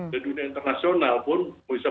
dan dunia internasional pun bisa